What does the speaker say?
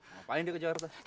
ngapain dia ke jakarta